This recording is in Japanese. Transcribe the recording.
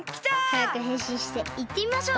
はやくへんしんしていってみましょう！